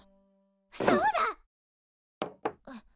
そうだ！